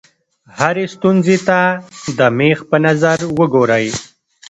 هرې ستونزې ته د مېخ په نظر وګورئ.